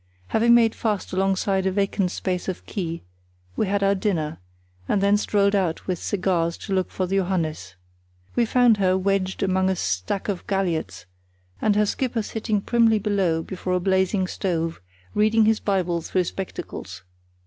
Having made fast alongside a vacant space of quay, we had our dinner, and then strolled out with cigars to look for the Johannes. We found her wedged among a stack of galliots, and her skipper sitting primly below before a blazing stove, reading his Bible through spectacles.